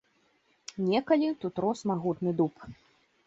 Некалі тут рос магутны дуб.